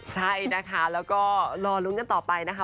ใช่นะคะแล้วก็รอลุ้นกันต่อไปนะคะ